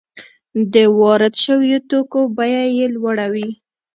د وارد شویو توکو بیه یې لوړه وي